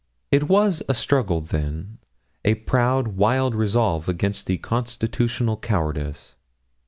It was a struggle, then; a proud, wild resolve against constitutional cowardice.